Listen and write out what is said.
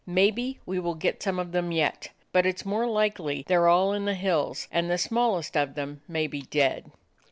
Maybe we will get some of them yet, but it 's more like they 're all in the hills, and the smallest of them may be dead."